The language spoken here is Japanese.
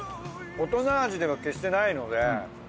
大人味では決してないので。